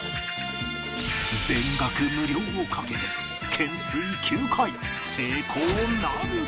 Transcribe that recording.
全額無料を懸けて懸垂９回成功なるか？